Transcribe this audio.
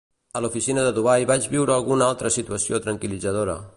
A l'oficina de Dubai vaig viure alguna altra situació tranquil·litzadora.